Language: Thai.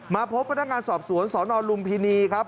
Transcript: มาพบพนักงานสอบสวนสอนอลลุงพิณีครับ